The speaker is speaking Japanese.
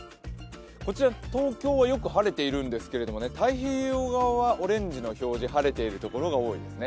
こちら東京はよく晴れているんですけれども、太平洋側はオレンジの表示晴れている所が多いですね。